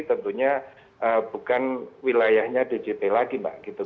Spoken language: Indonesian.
tentunya bukan wilayahnya djp lagi mbak gitu